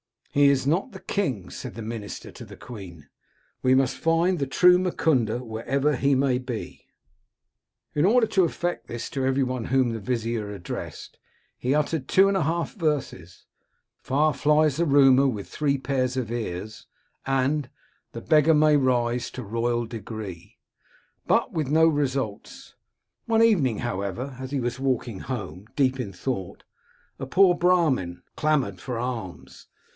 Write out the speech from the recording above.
He is not the king,' said the minister to the queen. * We must find the true Mukunda, wherever he may be.' "In order to effect this, to every one whom the vizier addressed he uttered the two half verses —* Far flies rumour with three pairs of ears,' and * The beggar may rise to royal degree,' R 241 Curiosities of Olden Times but with no results. One evening, however, as he was walking home, deep in thought, a poor Brahmin clamoured for alms.